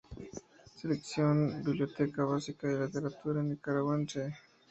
Colección Biblioteca Básica de Literatura Nicaragüense, Dic.